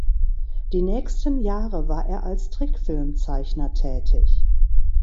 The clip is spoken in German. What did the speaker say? Die nächsten Jahre war er als Trickfilmzeichner tätig.